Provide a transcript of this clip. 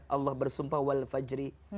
allah bersumpah wal fajri